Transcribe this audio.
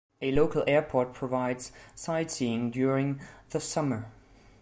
A local airport provides sightseeing during the summer.